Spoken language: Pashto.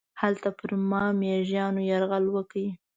هلته پر ما میږیانو یرغل وکړ.